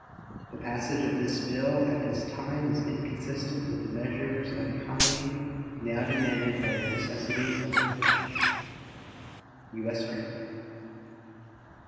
The passage of this bill at this time is inconsistent with the measures of economy now demanded by the necessities of the country. U.S. GRANT.